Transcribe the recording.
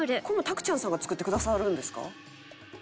これもうたくちゃんさんが作ってくださるんですか？